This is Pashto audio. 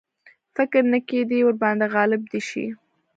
فکر نه کېدی ورباندي غالب دي شي.